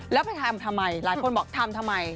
แล้วไปทำทำไมหลายคนบอกทำทำไม